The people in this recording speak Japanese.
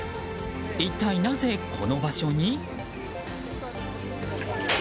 一体なぜこの場所に？